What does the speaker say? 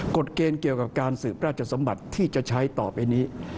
เกณฑ์เกี่ยวกับการสืบราชสมบัติที่จะใช้ต่อไปนี้